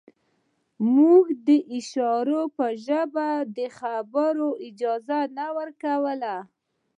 موږ د اشارو په ژبه د خبرو اجازه نه ورکوله